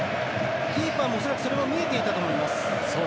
キーパーも恐らく、それは見えていたと思います。